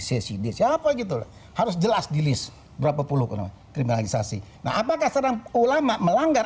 ccd siapa gitu harus jelas di list berapa puluh kriminalisasi nah apakah sekarang ulama melanggar